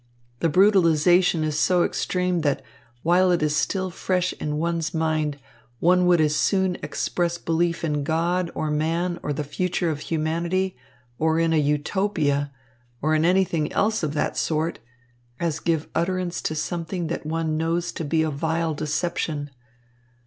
The brutalisation is so extreme that while it is still fresh in one's mind, one would as soon express belief in God or man or the future of humanity or in a Utopia, or anything else of the sort, as give utterance to something that one knows to be a vile deception.